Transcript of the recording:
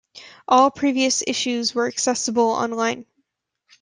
All previous issues were accessible online.